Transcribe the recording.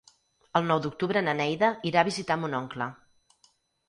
El nou d'octubre na Neida irà a visitar mon oncle.